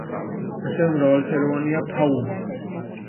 ასევე მრავალფეროვანია ფაუნა.